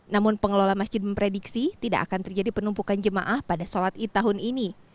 namun pengelola masjid memprediksi tidak akan terjadi penumpukan jemaah pada sholat id tahun ini